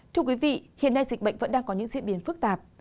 thưa quý vị hiện nay dịch bệnh vẫn đang có những diễn biến phức tạp